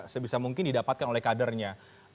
sebisa mungkin didapatkan oleh kadernya